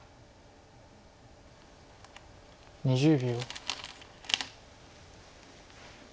２０秒。